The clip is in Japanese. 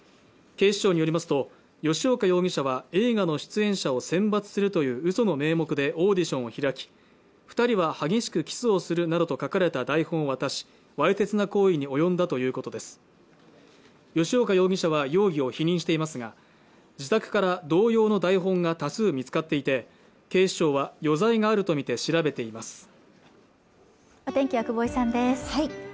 警視庁によりますと吉岡容疑者は映画の出演者を選抜するという嘘の名目でオーディションを開き二人は激しくキスをするなどと書かれた台本を渡しわいせつな行為に及んだということです吉岡容疑者は容疑を否認していますが自宅から同様の台本が多数見つかっていて警視庁は余罪があるとみて調べています